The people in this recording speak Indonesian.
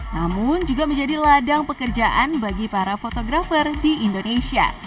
namun juga menjadi ladang pekerjaan bagi para fotografer di indonesia